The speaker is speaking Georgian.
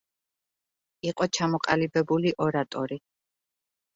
იყო ჩამოყალიბებული ორატორი.